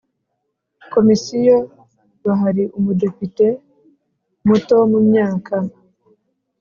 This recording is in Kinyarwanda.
Komisiyo bahari Umudepite muto mu myaka